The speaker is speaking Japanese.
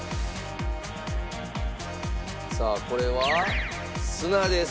さあこれは砂です。